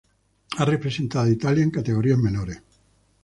Ha representado a Italia en categorías menores.